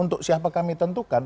untuk siapa kami tentukan